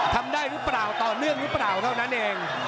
ทำได้หรือเปล่าต่อเนื่องหรือเปล่าเท่านั้นเอง